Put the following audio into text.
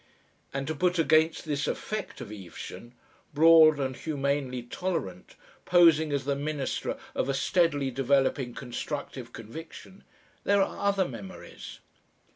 And to put against this effect of Evesham, broad and humanely tolerant, posing as the minister of a steadily developing constructive conviction, there are other memories.